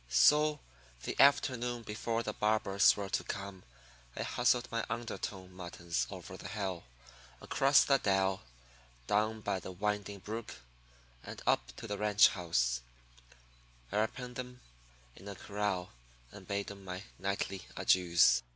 So the afternoon before the barbers were to come I hustled my underdone muttons over the hill, across the dell, down by the winding brook, and up to the ranch house, where I penned 'em in a corral and bade 'em my nightly adieus.